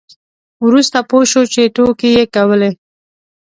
وروسته پوه شو چې ټوکې یې کولې.